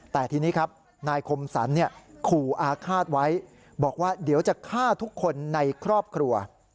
แต่ทีนี้ครับนายคมสรรขู่อาฆาตไว้บอกว่าเดี๋ยวจะฆ่าทุกคนในครอบครัว